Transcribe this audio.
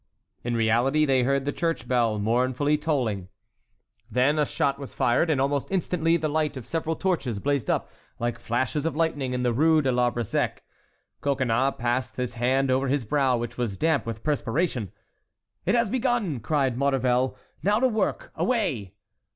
In reality they heard the church bell mournfully tolling. Then a shot was fired, and almost instantly the light of several torches blazed up like flashes of lightning in the Rue de l'Arbre Sec. Coconnas passed his hand over his brow, which was damp with perspiration. "It has begun!" cried Maurevel. "Now to work—away!"